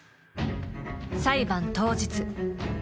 ［裁判当日］